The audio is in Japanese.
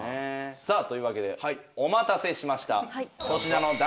さあというわけでお待たせしました。